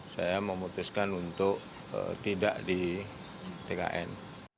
saya memutuskan untuk tidak di tkn